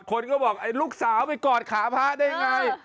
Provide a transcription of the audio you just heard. คนก็บอกไอ้ลูกสาวไปกอดขาพระได้ยังไง